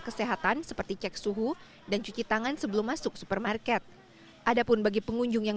kesehatan seperti cek suhu dan cuci tangan sebelum masuk supermarket adapun bagi pengunjung yang